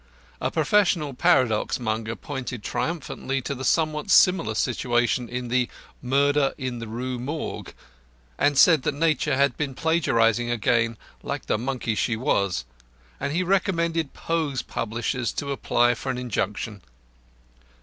A professional paradox monger pointed triumphantly to the somewhat similar situation in "the murder in the Rue Morgue," and said that Nature had been plagiarising again like the monkey she was and he recommended Poe's publishers to apply for an injunction.